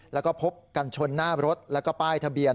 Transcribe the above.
แล้วก็พบกันชนหน้ารถแล้วก็ป้ายทะเบียน